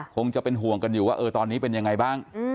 คงจะเป็นห่วงกันอยู่ว่าตอนนี้เป็นยังไงบ้าง